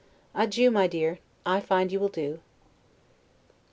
Adieu, my dear! I find you will do.